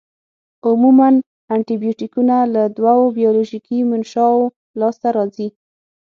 عموماً انټي بیوټیکونه له دوو بیولوژیکي منشأوو لاس ته راځي.